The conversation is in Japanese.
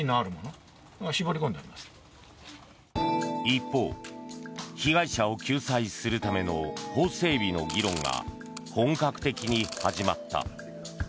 一方、被害者を救済するための法整備の議論が本格的に始まった。